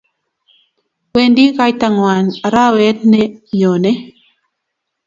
wendi kaitang'wany arawe ne nyone